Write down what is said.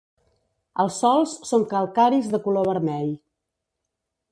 Els sòls són calcaris de color vermell.